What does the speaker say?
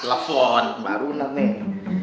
telepon baru anymore nih